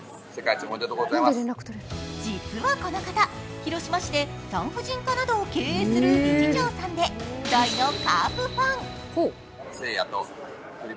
実はこの方、広島市で産婦人科医などを経営する理事長さんで大のカープファン。